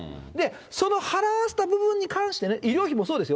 その払わせた部分に関してね、医療費もそうですよ。